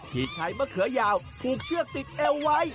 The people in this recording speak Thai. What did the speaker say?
ที่ใช้มะเขือยาวผูกเชือกติดเอวไว้